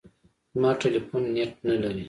زما ټلیفون نېټ نه لري .